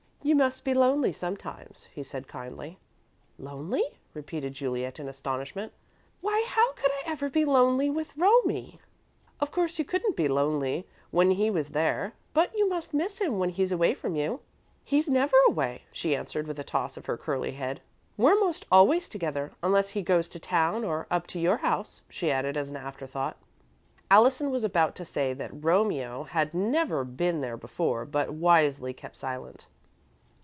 "You must be lonely sometimes," he said, kindly. "Lonely?" repeated Juliet in astonishment; "why, how could I ever be lonely with Romie?" "Of course you couldn't be lonely when he was there, but you must miss him when he's away from you." "He's never away," she answered, with a toss of her curly head. "We're most always together, unless he goes to town or up to your house," she added, as an afterthought. Allison was about to say that Romeo had never been there before, but wisely kept silent.